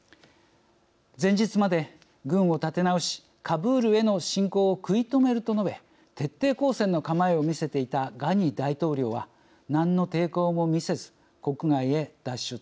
前日まで「軍を立て直しカブールへの侵攻を食い止める」と述べ徹底抗戦の構えを見せていたガニ大統領は何の抵抗も見せず国外へ脱出。